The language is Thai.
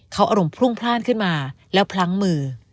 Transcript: เขาอารมณ์พรุ่งพลาดขึ้นมาแล้วพลั้งมือ